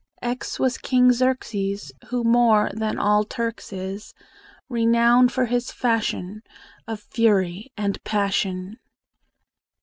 X was King Xerxes, Who, more than all Turks is, Renowned for his fashion Of fury and passion.